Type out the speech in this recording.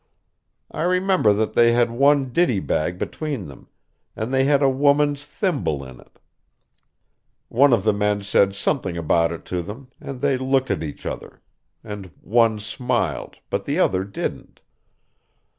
I remember that they had one ditty bag between them, and they had a woman's thimble in it. One of the men said something about it to them, and they looked at each other; and one smiled, but the other didn't.